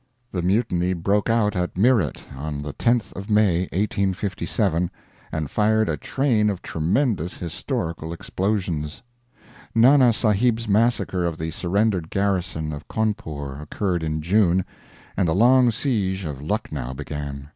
The Mutiny broke out at Meerut on the 10th of May, 1857, and fired a train of tremendous historical explosions. Nana Sahib's massacre of the surrendered garrison of Cawnpore occurred in June, and the long siege of Lucknow began.